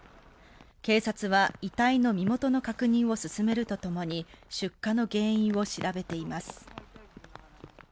警察は遺体の身元の確認を進めるとともに出火の原因を調べています。